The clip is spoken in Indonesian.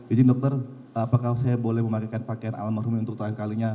izin dokter apakah saya boleh memakaikan pakaian almarhum untuk terakhir kalinya